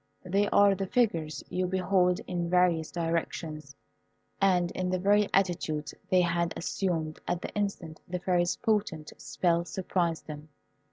They are the figures you behold in various directions and in the very attitudes they had assumed at the instant the Fairy's potent spell surprised them.